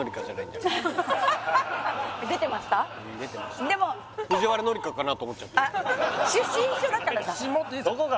でも出てました藤原紀香かなと思っちゃった